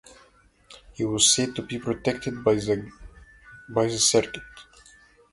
He was said to be protected by the goddess Serket.